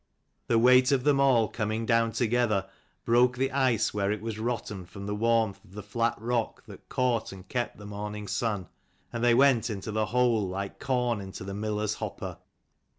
The weight of them all coming down together broke the ice where it was rotten from the warmth of the flat rock, that caught and kept the morning sun; and they went into the hole like corn into the miller's hopper.